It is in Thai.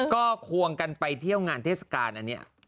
ก็ควงกันไปเที่ยวงานเทศกาลอันนี้